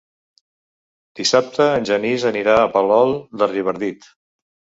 Dissabte en Genís anirà a Palol de Revardit.